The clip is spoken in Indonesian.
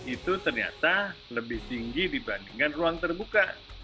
itu ternyata lebih tinggi dibandingkan ruang terbuka